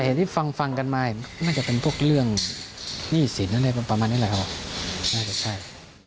แต่เห็นที่ฟังกันมาน่าจะเป็นพวกเรื่องนี่สินั่นแหละประมาณนี้แหละครับน่าจะใช่